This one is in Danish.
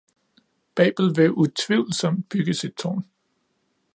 Babel vil utvivlsomt bygge sit tårn.